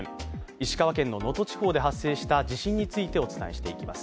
石川県の能登地方で発生した地震についてお伝えしたいと思います。